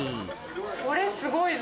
これすごいぞ。